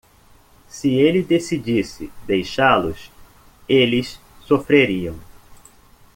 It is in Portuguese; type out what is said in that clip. Se ele decidisse deixá-los?, eles sofreriam.